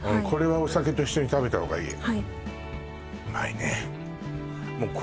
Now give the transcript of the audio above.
はいお酒と一緒に食べたほうがいい